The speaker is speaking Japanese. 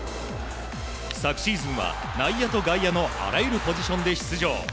昨シーズンは内野と外野のあらゆるポジションで出場。